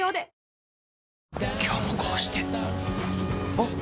・あっ！！